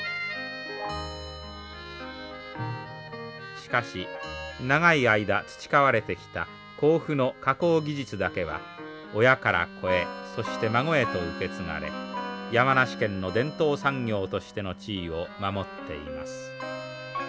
しかし長い間培われてきた甲府の加工技術だけは親から子へそして孫へと受け継がれ山梨県の伝統産業としての地位を守っています。